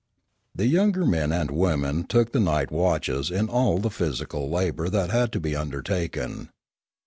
The younger men and women took the night watches in all the physical labour that had to be undertaken.